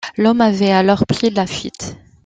L'homme avait alors pris la fuite.